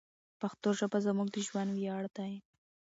پښتو ژبه زموږ د ژوند ویاړ دی.